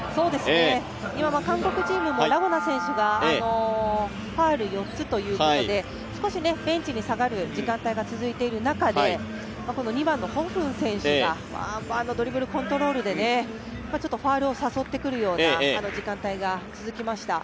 今、韓国チームもラ・ゴナ選手がファウル４つということで少しベンチに下がる時間帯が続いている中で２番のホ・フン選手がドリブルコントロールでファウルを誘ってくるような時間帯が続きました。